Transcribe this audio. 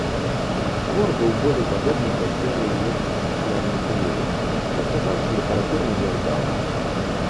Твор быў болей падобны да серыі лекцый сацыяльнай тэорыі і аказаўся літаратурна няўдалым.